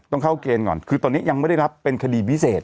ต้องเข้าเกณฑ์ก่อนคือตอนนี้ยังไม่ได้รับเป็นคดีพิเศษ